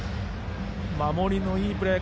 守りの、いいプレー。